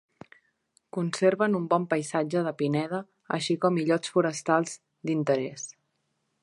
Conserven un bon paisatge de pineda, així com illots forestals d’interès.